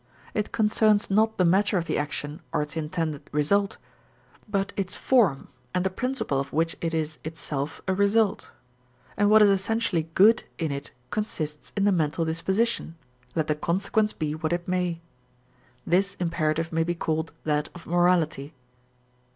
It concerns not the matter of the action, or its intended result, but its form and the principle of which it is itself a result; and what is essentially good in it consists in the mental disposition, let the consequence be what it may. This imperative may be called that of morality.